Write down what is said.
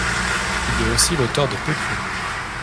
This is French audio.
Il est aussi l'auteur de péplums.